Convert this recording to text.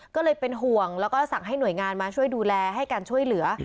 ก็เลยเป็นห่วงแล้วก็สั่งให้หน่วยงานมาช่วยดูแลให้การช่วยเหลือ